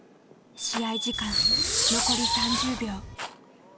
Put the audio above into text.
試合時間残り３０秒。